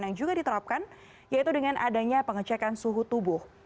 yang juga diterapkan yaitu dengan adanya pengecekan suhu tubuh